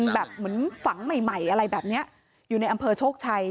แบบเหมือนฝังใหม่อะไรแบบนี้อยู่ในอำเภอโชคชัย